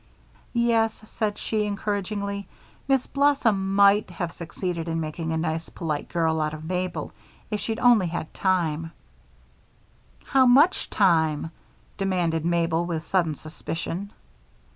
"Yes," said she, encouragingly, "Miss Blossom might have succeeded in making a nice, polite girl out of Mabel if she'd only had time " "How much time?" demanded Mabel, with sudden suspicion.